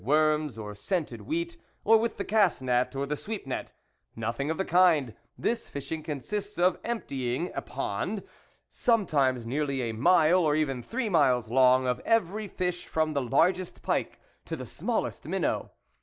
worms, or scented wheat, or with the cast net, or the sweep net, nothing of the kind; this fishing consists in emptying a pond, sometimes nearly a mile, or even three miles long, of every fish from the largest pike to the smallest minnow.